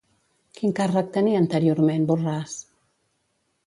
Quin càrrec tenia anteriorment Borràs?